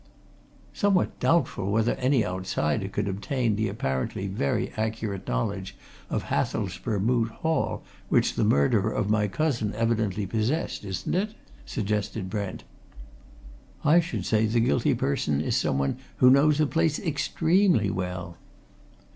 "Somewhat doubtful whether any outsider could obtain the apparently very accurate knowledge of Hathelsborough Moot Hall which the murderer of my cousin evidently possessed, isn't it?" suggested Brent. "I should say the guilty person is some one who knows the place extremely well!"